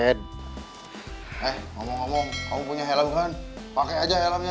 eh ngomong ngomong kamu punya helm kan pakai aja helmnya